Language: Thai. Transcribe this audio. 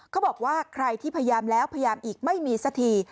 เขาบอกว่าใครที่พยายามแล้วพยายามอีกไม่มีสักที